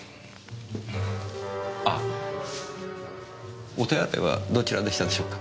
あお手洗いはどちらでしたでしょうか？